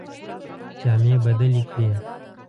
جامې بدلي کړې.